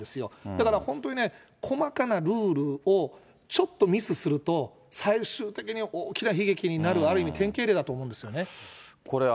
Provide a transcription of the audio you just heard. だから、本当にね、細かなルールをちょっとミスすると、最終的に大きな悲劇になる、ある意味、典型例だと思うんですね。